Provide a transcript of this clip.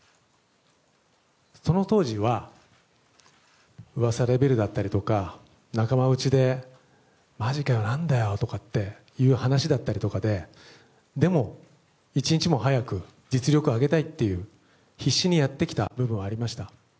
その当時は噂レベルだったりとか仲間内でまじかよとかっていう話だったりとかででも一日も早く実力を上げたいという必死にやってきた部分はあります。